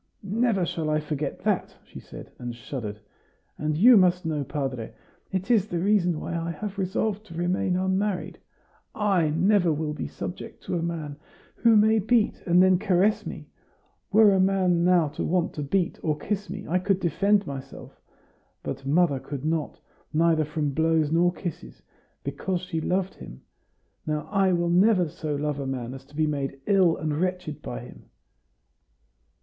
"Never shall I forget that!" she said, and shuddered. "And you must know, padre, it is the reason why I have resolved to remain unmarried. I never will be subject to a man, who may beat and then caress me. Were a man now to want to beat or kiss me, I could defend myself; but mother could not neither from his blows nor kisses because she loved him. Now, I will never so love a man as to be made ill and wretched by him."